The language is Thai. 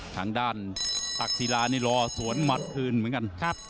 ทางด้านตักศิลานี่รอสวนหมัดคืนเหมือนกัน